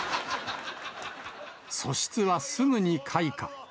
素質はすぐに開花。